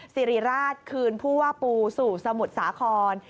สิริราชคืนผู้ว่าปูสู่สมุทรสาคร